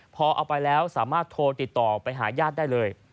พอเอาไปแล้วสามารถโทรติดต่อไปหาญาติได้เลย